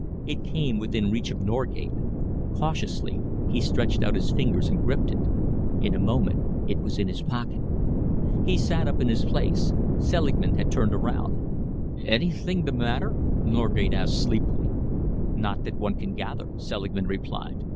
It came within reach of Norgate. Cautiously he stretched out his fingers and gripped it. In a moment it was in his pocket. He sat up in his place. Selingman had turned around. "Anything the matter?" Norgate asked sleepily. "Not that one can gather," Selingman replied.